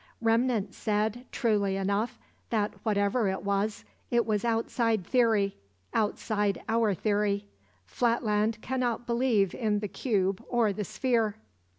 Remnant said, truly enough, that whatever it was, it was outside theory, outside our theory. Flatland cannot believe in the cube or the sphere."